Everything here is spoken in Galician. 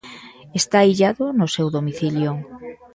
Está illado no seu domicilio.